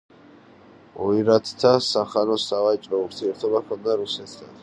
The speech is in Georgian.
ოირათთა სახანოს სავაჭრო ურთიერთობა ჰქონდა რუსეთთან.